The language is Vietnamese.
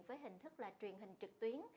với hình thức là truyền hình trực tuyến